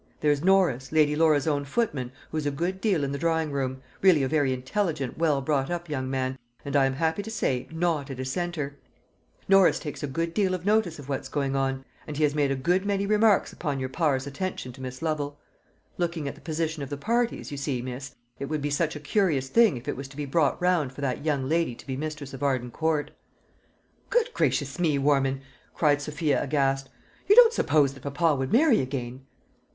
There's Norris, Lady Laura's own footman, who's a good deal in the drawing room really a very intelligent well brought up young man, and, I am happy to say, not a dissenter. Norris takes a good deal of notice of what's going on, and he has made a good many remarks upon your par's attention to Miss Lovel. Looking at the position of the parties, you see, miss, it would be such a curious thing if it was to be brought round for that young lady to be mistress of Arden Court." "Good gracious me, Warman!" cried Sophia aghast, "you don't suppose that papa would marry again?"